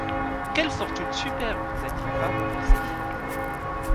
Quelle fortune superbe n’a-t-il pas renversée!